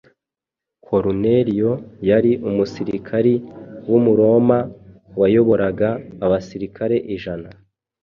Koruneliyo yari umusirikari w’Umuroma wayoboraga abasirikare ijana